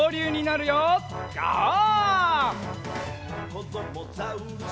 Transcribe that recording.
「こどもザウルス